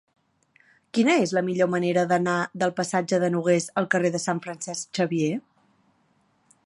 Quina és la millor manera d'anar del passatge de Nogués al carrer de Sant Francesc Xavier?